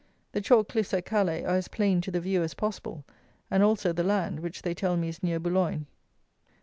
The chalk cliffs at Calais are as plain to the view as possible, and also the land, which they tell me is near Boulogne.